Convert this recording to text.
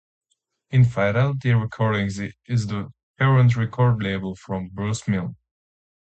In-Fidelity Recordings is the current record label from Bruce Milne.